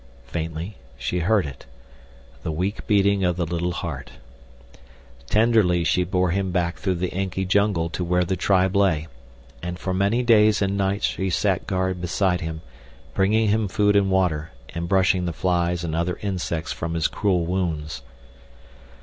Faintly she heard it—the weak beating of the little heart. Tenderly she bore him back through the inky jungle to where the tribe lay, and for many days and nights she sat guard beside him, bringing him food and water, and brushing the flies and other insects from his cruel wounds.